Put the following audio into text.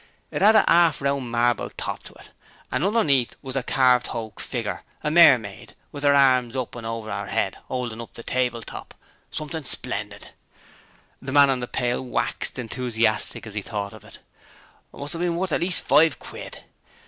It 'ad a 'arf round marble top to it, and underneath was a carved hoak figger, a mermaid, with 'er arms up over 'er 'ead 'oldin' up the table top something splendid!' The man on the pail waxed enthusiastic as he thought of it. 'Must 'ave been worth at least five quid.